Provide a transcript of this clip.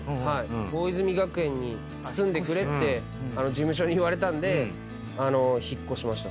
大泉学園に住んでくれって事務所に言われたんで引っ越しましたそこで。